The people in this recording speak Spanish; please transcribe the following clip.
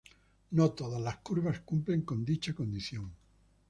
No todas las curvas cumplen con dicha condición.